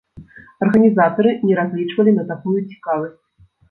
Арганізатары не разлічвалі на такую цікавасць.